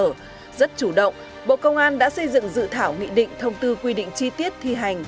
rất chủ động bộ công an đã xây dựng dự thảo nghị định thông tư quy định chi tiết thi hành